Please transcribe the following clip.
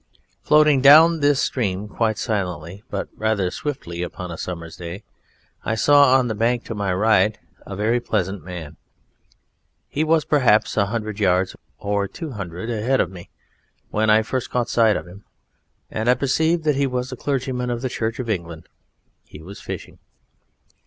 Floating down this stream quite silently, but rather swiftly upon a summer's day, I saw on the bank to my right a very pleasant man. He was perhaps a hundred yards or two hundred ahead of me when I first caught sight of him, and perceived that he was a clergyman of the Church of England. He was fishing.